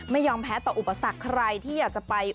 ไม่ยอมแพ้ต่ออุปสรรคใครที่อยากจะไป